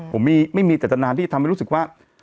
ผมไม่มีจัตนานที่จะทำให้รู้สึกว่า